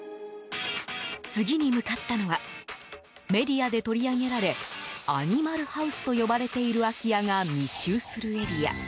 次に向かったのはメディアで取り上げられアニマルハウスと呼ばれている空き家が密集するエリア。